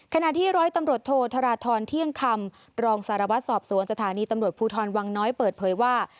ขณะที่ร้อยตำรวจโทษธรทรเที่ยงคำรองสารวัตรสอบสวนสถานีตำรวจภูทรวังน้อยเปิดเผยว่า